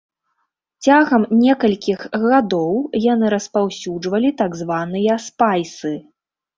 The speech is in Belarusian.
Цягам некалькіх гадоў яны распаўсюджвалі так званыя спайсы.